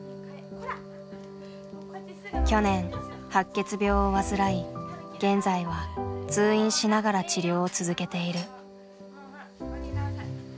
去年白血病を患い現在は通院しながら治療を続けている。